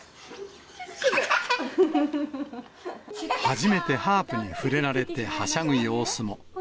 初めてハープに触れられてはしゃぐ様子も。